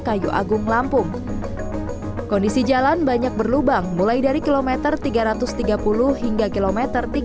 kayu agung lampung kondisi jalan banyak berlubang mulai dari km tiga ratus tiga puluh hingga km tiga ratus enam puluh tujuh